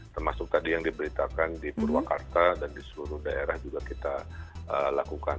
termasuk tadi yang diberitakan di purwakarta dan di seluruh daerah juga kita lakukan